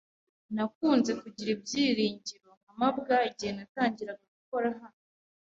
Nakunze kugira ibyiringiro nka mabwa igihe natangiraga gukora hano.